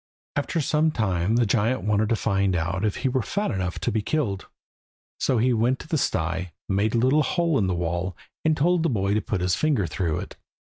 After some time the giant wanted to find out if he were fat enough to be killed. So he went to the sty, made a little hole in the wall, and told the boy to put his finger through it.